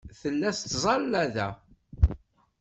Tella tettẓalla da.